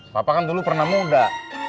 bapak kan dulu pernah muda